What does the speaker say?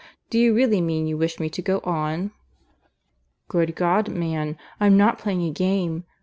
Do you really mean you wish me to go on?" "Good God, man! I'm not playing a game. ...